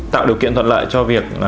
tạo điều kiện thuận lợi cho việc